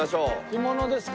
干物ですか。